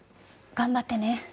頑張ってね。